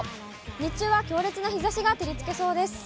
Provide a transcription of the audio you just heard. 日中は強烈な日ざしが照りつけそうです。